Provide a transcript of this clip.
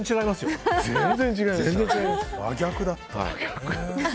真逆だった。